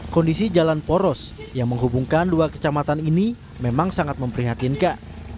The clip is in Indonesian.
kondisi jalan poros yang menghubungkan dua kecamatan ini memang sangat memprihatinkan